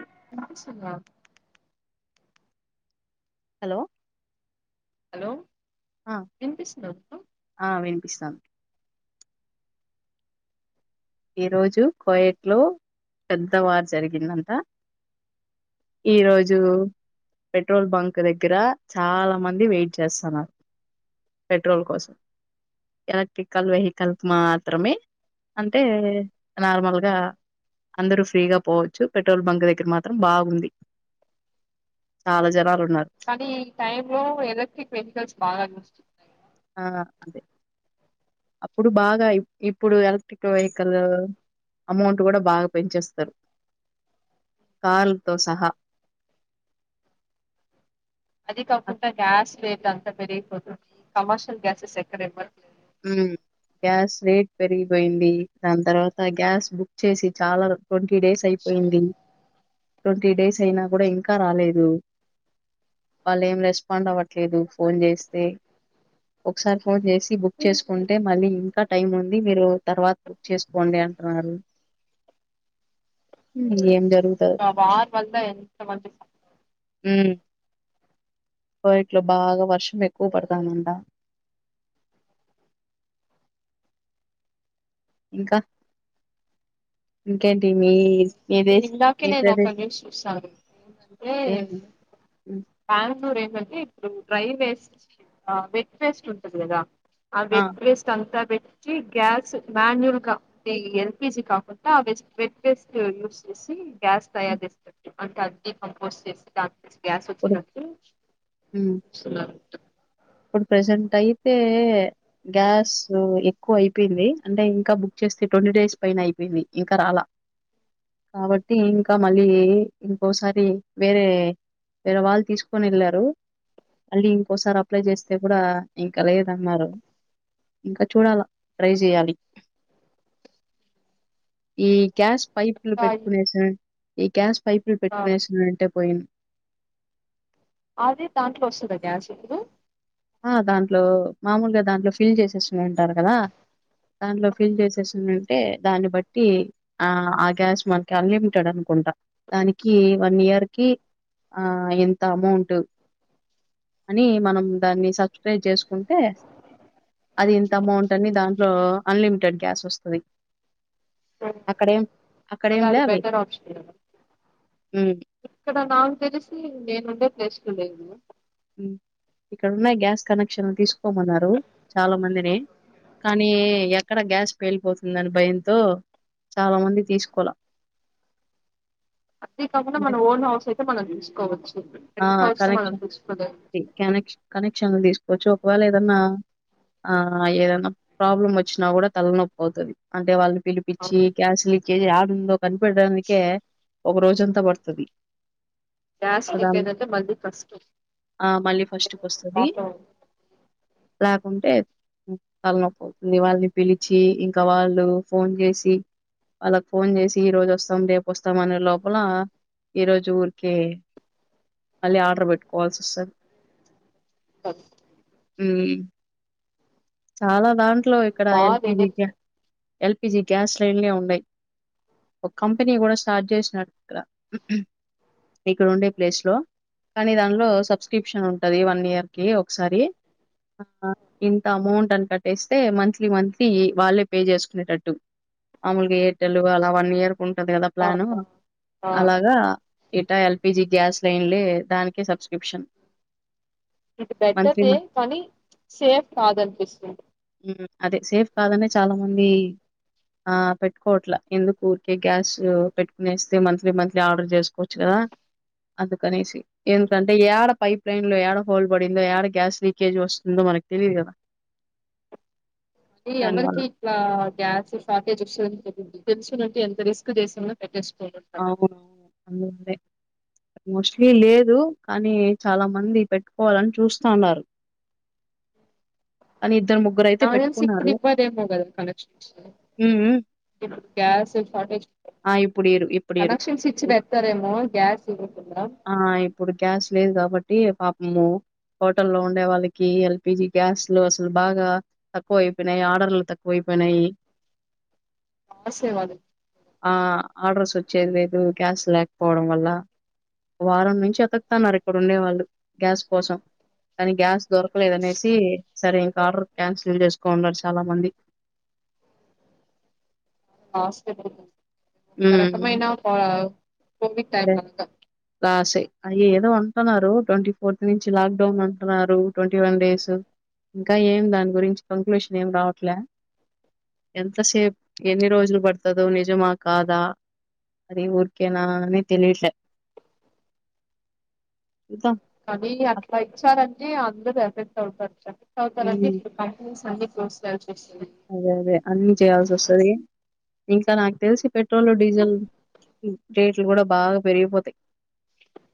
ఎం కనిపిస్థుంధా hello hello ఎనిపిస్తున్నారు పిస్తావుంధి ఈ రోజు కోయట్ లో పెద్ద వార్ జరిగిందంత ఈరోజు పెట్రోల్ బంక్ దగ్గర చాలా మంది వెయిట్ చేస్తున్నారు పెట్రోల్ కోసం ఎలక్ట్రికల్ వెహికల్ మాత్రమే అ అంటే నార్మల్ గా అందరు ఫ్రీగా పోవచ్చు పెట్రోల్ బంక్ దగ్గర మాత్రం బాగుంది చాలా జనాలు ఉన్నారు కానీ ఈ టై లో ఎలక్ట్రిక్ వెహికల్స్ బాగా చేస్తున్నారు ఆ అదే అప్పుడు బాగా ఇప్పుడు ఎలక్ట్రిక్ వెహికల్ అమౌంట్ కూడా బాగా పెంచేస్తారు కార్లతో సహా ఆ అదికాకుంటా గ్యాస్ రేటం త పెరిగి పోతుంది కమర్షల్ గ్యాసెస్ ఎక్కడివ్వట్లే మ్మ్ గ్యాస్ రేట్ పెరిగిపోయింది, దాని తర్వాత గ్యాస్ బుక్ చేసి చాలా ట్వంటీ డేస్ అయిపోయింది. ట్వంటీ డేస్ అయినా కూడా ఇంకా రాలేదు. వాళ్ళ ఏం రెస్పాండ్ అవ్వట్లేదు ఫోన్ చేస్తే. ఒకసారి ఫోన్ చేసి బుక్ చేసుకుంటే మళ్ళీ ఇంకా టైం ఉంది మీరు తర్వాత బుక్ చేసుకోండి అంటున్నరు. మ్మ్ ఏం జరు [unintelligible] ఎంత మంచి మ్మ్ కొవైట్లో బాగా వర్షం ఎక్కువ పడతాందంట. ఇంకా ఇంకేంటి మీ మీదే ఇందాకే మీ నేను ప్రదే ఒక న్యూస్ చూశాను ఏందంటే ఏంటి? హ్మ్. బ్యాంగుళూర్ గంతే ఇప్పుడు డ్రై వేస్ట్, ఆ వెట్ వేస్ట్ ఉంటది కదా ఆ వెట్ వేస్ట్ అంతా పె ఈ గ్యాస్ మాన్యువల్ గా ఎల్పిజి కాకుండా వెట్ వేస్ యూస్ చేసి గ్యాస్ హ్మ్. తయారు చేస్తరు. అంటే అన్ని కంపోస్ట్ చేసి దాం గ్యాస్ ఇప్పుడు వచ్చి హ్మ్. [unintelligible] ఇప్పుడు ప్రజెంట్ అయితే గ్యాసు క్కువ అయిపోయింది. అంటే ఇంకా బుక్ చేస్తే ట్వంటీ డేస్ పైన అయిపోయింది, ఇంకా రాలా కాబట్టి ఇంకా మళ్ళీ ఇంకోసారి వేరే వేరే వాళ్ళు తీసుకొని ఎళ్ళారు మళ్ళీ ఇంకోసారి అప్లై చేస్తే కూడా ఇంకా లేదన్నారు ఇంక చూడాల ట్రై చెయాలి. ఈ గ్యాస్ పైపులు ఆ, పెట్టుకునే సార్ ఈ గ్యాస్ పైపులు ఆ, పెట్టుకునేసునుంటే పోయింను అది దాంట్లో వస్తదా గ్యాసూ? ఆ దాంట్లో మామూలుగా దాంట్లో ఫిల్ చేసేసి ఉంనింటారు కదా. దాంట్లో ఫిల్ చేసేసి ఉంనింటే దాన్ని బట్టి ఆ ఆ గ్యాస్ మనకి అన్లిమిటెడ్ అనుకుంటా! దానికి వన్ ఇయర్ కి ఆ ఇంత అమౌంట్ అనీ మనం దాన్ని సబ్స్క్రైబ్ చేసుకుంటే, అది ఇంత అమౌంట్ అని దాంట్లో అన్లిమిటెడ్ గ్యాస్ వస్తది. మ్ అక్కడేం మరి అక్కడేం లే అది అవి బెటర్ ఆప్షన్ కదా. హ్మ్. ఇక్కడ నాకు తెలిసి నేను ఉండె వేస్ట్ లేదు. ఇక్కడన్నాయి గ్యాస్ కనెక్షన్ తీసు కోమన్నారు చాలా మందిని. కానీ ఎక్కడ గ్యాస్ పేలిపోతుందని భయంతో, చాలా మంది తీసుకోలా. అంతే కాకుండా అంటే మన ఓన్ హౌస్ అయితే మనం తీస్ కోవచ్చు. ఆ కనెక్షన్ అది క్యనెక్ష్ కనె శిక్షణలు తీసుకోవచ్చు ఒకవేళ ఏదన్నా ఆ ఏదనా ప్రాబ్లం వచ్చినా కూడా తల్లనొప్పి అవుతుంది అంటే వాళ్ళు పిల్ అవును పిచ్చి క్యాస్లి కే జు యాడు ఉండొ పనిపడునికే ఒక రోజంతా పడుతది గ్యాస్ సో లీక్ దాని అయిందంటే మళ్ళి కష్టం ఆ మళ్ళీ ఫస్ట్ కొస్తది లేకుంటే వాళ్ళకే వాళ్ళని పిలిచి ఇంక వాళ్ళు ఫోన్ చేసి వాళ్ళకు ఫోన్ చేసి ఈ రోజు వస్తాం రేపుొస్తాం అనే లోపల ఈరోోజు ఊరికే మళ్ళీ ఆర్డర్ పెట్టుకోవాల్సి వస్తది త మ్ చాల దాంట్ ట్లో ఇక్కడ బాగా ఎల్పిజీ క ఎనర్జీ ఎల్పిజీ గ్యాస్ లైన్నే ఉండయి ఒక కంపెనీ కూడ స్టార్ట్ చేసినాడుక్కడ ఇక్కడ ఉండే ప్లేస్లో కానీ దానిలో సబ్స్క్రిప్షన్ ఉంటుంది వన్ ఇయర్కి ఒకసారి ఇంత అమౌంట్ అని కట్టేస్తే మంత్లీ మంత్లీ వాళ్ళే పే చేసుకునేటట్టు మామలుగా ఎయిర్టెల్ అలా వన్ ఇయర్ ఉంటంది కదా ఆ ప్లాను ఆ అలాగ ఇటా ఎల్పిజీ గ్యాస్ లైన్లే దానికి సబ్స్క్రిప్షన్ ఇది మంత్లీ బెట్టర్దే కానీ సేఫ్ కాదనిపిస్తుంది ఉమ్ అదే సేఫ్ కాదనే చాల మంది ఆ పెట్టుకోవట్ల ఎందుకు ఊరికే గ్యాస్ పెట్టుకునేస్తే మంత్లీ మంత్లీ ఆర్డర్ చేసుకోవచ్చు కదా అందుకనేసి ఎందుకంటే ఏడ పైప్ లైన్ లో ఏడ హోల్ పడిందో ఏక్కడ గ్యాస్ లీకేజ్ వస్తుందో మనకి తెలిద్ కద అది ఎవరికి ఇట్లా గ్యాస్ ఫాకేజ్ వస తెలింది తెలుసు అంటే ఎంత రిస్క్ చేసిందో పెట్టేా అవును అం మోస్ట్లీ లేదు కానీ చాలా మంది పెట్టుకోవాలని చూస్తా ఉన్నారు కానీ ఇద్దరు ముగ్గురైతే నాక్ ఇప్పుడు పెట్టుకున్నారు. ఇవ్వదేమో కదా కనెక్షన్ హ్మ్. హ్మ్. ఇప్పుడు గ్యాస్ షార్టేజ్ ఆ! ఇప్పుడీయరు. ఇప్పుడీయరు. కనెక్షన్ స్విచ్ ఇప్ పెతుారేమో గ్యాస్ ఇకుంద కాబట్టి పాపము హోటల్లో ఉండే వాళ్ళకి ఎల్పిజి గ్యాస్లు అసలు బాగా తక్కువయిపోయినయి ఆర్డర్లు తక్కువైపోయినయి లాసే వాళ్ళకి ఆ ఆడర్స్ వచ్చ చేదిలేదు గ్యాస్ లేకపోవడం వల్ల వారం నుంచి వెతుకుతున్నారు ఇక్కడ ఉండేవాళ్ళు గ్యాస్ కోసం కనీ గ్యాస్ దొరకలేదనేసి సరేం డర్ క్యాన్సిల్ చేసుకోన్నారు చాలా మంది హాస్పిటల్ రక మేననా హ్మ్. కోమక్ టైమ్లాక అ ఏదో అంటున్నారు ట్వంటీ ఫోర్త్ నుంచి లాక్డౌన్ అంటున్నారు ట్వంటీ వన్ డేస్ ఇంకా ఏం దాని గురించి కంక్లూషన్ ఏం రావట్లే ఎంతసేపు ఎన్ని రోజులు పడుతుందో నిజమా కాదా అది ఊరికేనా తెలియట్లే చూద్దాం. కానీ అక్ అట్లా ఇచ్చారంట ఏ అందరు ఎఫెక్ట్ అవుతారు హ్మ్. [unintelligible] [inaudible] అదే అదే అన్ని చేయాల్సి వస్తది ఇంకా నాకు తెలిసి పెట్రోల్ డీజిల్ రేట్లు కూడా బాగా పెరిగిపోతయి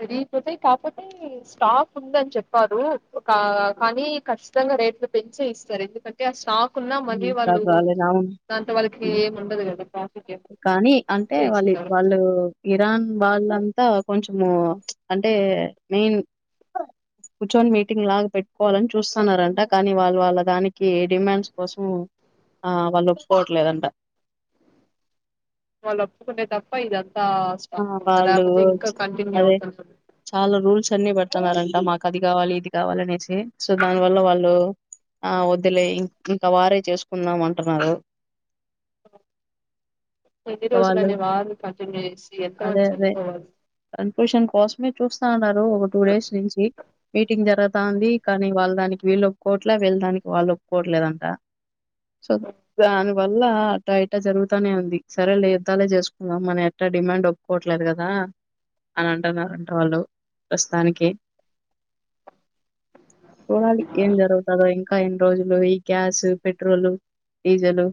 పెరిగిపోతాయి కాపోతే స్టాక్ ఉందని చెప్పారు కానీ కఖచ్చితంగా రేట్లు పెంచేయిస్తారు ఎందుకంటే ఆ స్టాక్ ఉన్నా మళ్ళీ హ్మ్. వాళ్ళు రకరకాలైన అవును. దాంతో వాళ్ళకి హ్మ్. ఏమి ఉండదు కదా ప్రా కానీ అంటే వాళ్ళు వాళ్ళు ఇరాన్ వాళ్ళంత కొంచము అంటే మెయిన్ కూర్చొని మీటింగ్ లాగా పెట్టుకోవాలని చూస్తున్నారంట కానీ వాళ్ళ వాళ్ళ దానికి డిమాండ్స్ కోసం ఆ వాళ్ళు ఒప్పుకోవట్లేదంట వాళ్ళోప్పుకుంటే తప్ప ఇగ ఆ వాళ్ళు కంటిన్యూ అదే అవుతుంది చాలా రూల్స్ అన్ని పెడుతున్నారంట మాకు అది కావాలి ఇది కావాలి అనేసి సో మనవళ్ళ వాళ్ళు ఆ వద్దులే ఇంకా వారే చేసుకుందాం అంటున్నారు ఎన్ని ఇంకా వాళ్ళు రోజలని వార్ కంటిన్యూ చేసి అదే ఎంతమంది అదే చనిపోవాలి కన్ఫెషన్ కోసమే చూస్తాండారు ఒక టూ డేస్ నుంచి మీటింగ్ జరగ తాంది కానీ వాళ్ళ దానికి వీళ్ళు ఒప్పుకోవట్లే వీళ్ళ దానికి వాళ్ళు ఒప్పుకోవట్లేదంట చూద్దాం వల్ల అట్ట ఇట జరుగుతానే ఉంది సరే లే యుద్దాలే చేసుకుందాం మన డిమాండ్ ఒక్కకోవట్లేదు కదా అని అంటున్నరంట వాళ్ళు ప్రస్తుతానికి చూడాలి ఏం జరుగుతదో ఇంకా ఇంకా ఎన్ని రోజులో ఈ గ్యాస్ పెట్రోల్ డీజిల్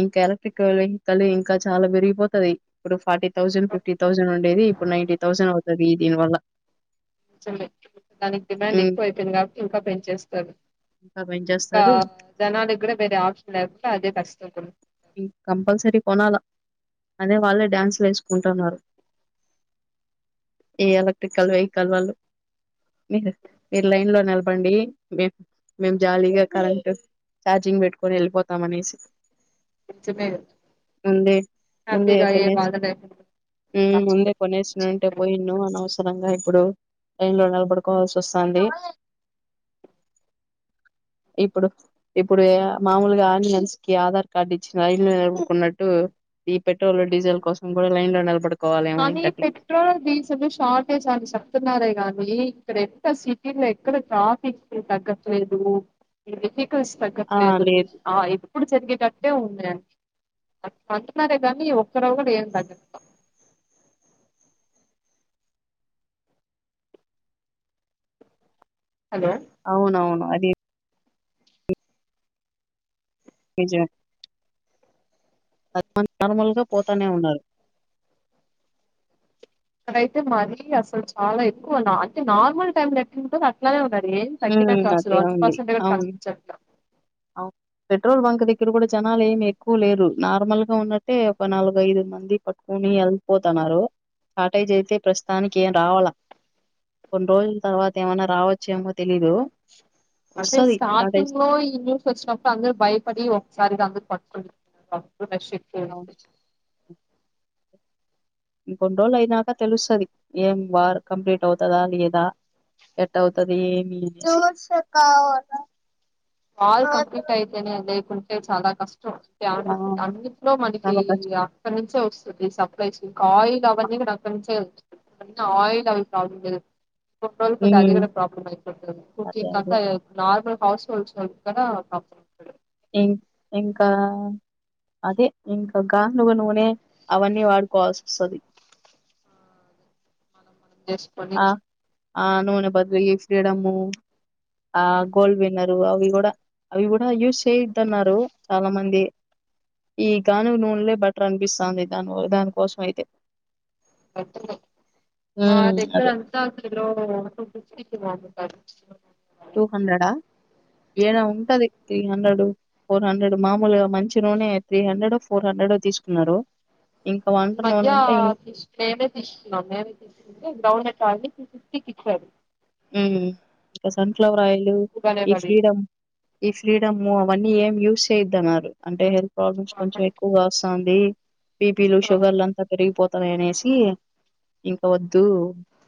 ఇంకా ఎలక్ట్రిక్ వెహికల్ ఇంకా చాలా పెరిగిపోతది ఇప్పుడు ఫార్టీ థౌసండ్ ఫిఫ్టీ థౌసండ్ ఉండేది ఇప్పుడు నైన్టీ థౌసండ్ అవుతదీ దీని వల్ల కొంచం దానికి డిమాండ్ హ్మ్ ఎక్కువ అయిపోయింది కాబట్టి ఇంకా పెంచేస్తారు ఇంకా ఇంకా పెంచేస్తారు. జనాలకి కూడా వేరే ఆప్షన్ లేకుండా అదే కష్ట [inaudible] కంపల్సరీ కొనాలా అదే వాళ్ళే డ్యాన్సులు వేసుకుంటున్నారు ఈ ఎలక్ట్రికల్ వెహికల్ వెహికల్ వాళ్ళు మీరు లైన్ లో నిలబడండి మేము జాలీగా కరెంట్ చార్జింగ్ పెట్టుకొని వెళ్ళిపోతాం అనేసి నిజమే కదా ముందే ముందే హ్యాపీగా ఏ కొనేసి బాధ లేకుండా సాక్ష్యం ముందే పెట్టుకుంటాం. [unintelligible] అనవసరంగా ఇప్పుడు లైన్ లో నిలబడుకోవాల్సి వస్తుంది ఇప్పుడు ఇప్పుడు ఏ మామూలుగా విమెన్స్ కి ఆధార్ కార్డ్ ఇచ్చి లైన్ లో నిలబడుకున్నట్టు ఈ పెట్రోల్ డీజిల్ కోసం కూడా లైన్ లో నిలబడ కానీ పెట్రోల్ డీజిల్ షార్టేజ్ అని చెప్తున్నారే కానీ ఇక్కడ ఎంత సిటీ లో ఎక్కడ ట్రాఫిక్ తగ్గట్లేదు స్ ఆ తగట్లేదు లేదు ఆ ఇది ఇప్పుడు జరిగేటట్టే ఉంది అని అంటున్నారే కానీ ఒక్కరోజు కూడా ఏం తగ్గట్లే హలో అవునవును అది ఏజా నార్మల్ గా పోతానే ఉన్నారు అయితే మరీ అసలు చాలా ఎక్కువ అంటే నార్మల్ టైమ్ పెట్టి అట్లానే ఉండ తగ్గిన మ్మ్ కసులు అట్టే వన్ ఉంది పర్సెంట్ అవును కనిపించ పెట్రోల్ బంక్ దగ్గర కూడా జనాలు ఏమి ఎక్కువ లేరు నార్మల్ గా ఉన్నట్టే ఒక నాలుగు ఐదు మంది పట్టుకుని వెళ్పోతున్నారు షార్టేజ్ అయితే ప్రస్తుతానికి ఏం రావాల కొన్ని రోజుల తర్వాత ఏమనా రావచ్చు ఏమో తెలీదు వస్తుంది షార్టేజ్ వచ్చినప్పు అరు భయపడి ఒకసారి అ పట్ ప్రదశస్త అవును ఇంకొన్ని రోజులు అయినాక తెలుస్తుది ఏం వారు కంప్లీట్ అవుతందా లేదా ఎట్ అవుతుది ఏమి ఆల్ కంప్లీట్ అయితేేనే అ అతే చాలా కష్టం ఆ అంట్లో మనకి చాలా కష్టం అక్కడి నుంచే వస్తుంది సబ్ సి కాయిల్ అవజ నాకు ఆయిల్ అవిబ్డు కొ కొ అదిక ఉమ్ కూడా ప్రాబ్లమ్యిపోతుంది అదే కుంగ్ంత అదే నార్మల్ హౌస్ఫుల్స్ క్కడ పంపించడు ఇం ఇంకా అదే ఇంకా గాలుగ నూనె అవన్నీ వాడుకోవాల్సి వస్తుంది అస్ట్ ప ఆ నూనె బదులీ ఫ్రీడమ్ ఆ గోల్డ్ విన్నరు అవి కూడా అవి కూడా యూస్ చేయద్దన్నారు చాలా మంది ఈ గాను నూనెలే బటర్ అనిపిస్తుంది దాని దానికోసం అయితే అ మాద ఉమ్ అదే గంత కలో [inaudible] టూ హండ్రెడా ఏనా ఉంటది త్రీ హండ్రెడ్ ఫోర్ హండ్రెడ్ మామూలుగా మంచి నూనె త్రీ హండ్రెడ్ ఫోర్ హండ్రెడ్ తీసుకున్నారు ఇంకా వంట ఈ మధ్య నూనె అంటే ఇం- తీసు మేమే తీసుకున్నాం మేమే తీసుకుంటే గ్రౌండ్ నట్ సిఫ్టీకి ఇచ్చారు ఇంకా సన్ఫ్లవర్ ఆయిల్ తక్కువగానే ఈ పడింది ఫ్రీడమ్ ఈ ఫ్రీడమ్ వన్నీ ఏం యూస్ చేయవద్దు అన్నారు అంటే హెల్త్ ప్రాబ్లమ్స్ కొంచెం ఎక్కువగా వస్తాంది అ పిపి లు షుగర్లంత పెరిగిపోతతే త్త అనేసి ఇంక వద్దు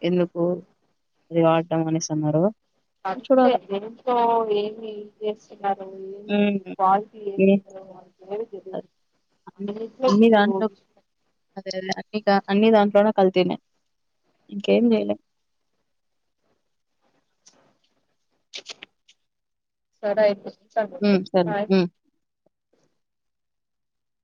ఎందుకు అది మాణ సన్నారు అదంతే ఎంతో ఏమి ఇ చేస్తున్నారున్నారు ఏమి హ్మ్. క్వాలిటీ ఏ ఏది జరుదు అన్ని అన్ని అట్రు దాంట్లో అన్ని క అన్ని దాంట్లోనే కలితినే ఇంకేం చేయలే సరా అయితే ఉంటాను ఉ నేను బాయ్ సరే